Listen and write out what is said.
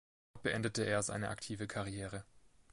Dort beendete er seine aktive Karriere.